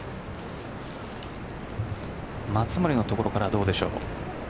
松森のところからどうでしょう？